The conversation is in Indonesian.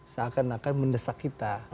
saya akan mendesak kita